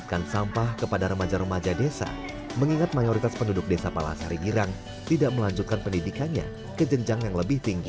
sampah yang tertumpul di bank sampah kepada remaja remaja desa mengingat mayoritas penduduk desa palasari girang tidak melanjutkan pendidikannya ke jenjang yang lebih tinggi